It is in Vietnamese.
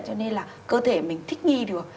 cho nên là cơ thể mình thích nghi được